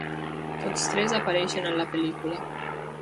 Tots tres apareixen en la pel·lícula.